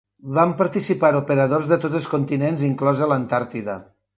Van participar operadors de tots els continents, inclosa l'Antàrtida.